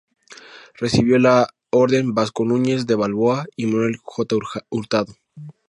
Recibió la Orden Vasco Núñez de Balboa y Manuel J. Hurtado.